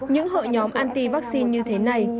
những hội nhóm anti vaccine như thế này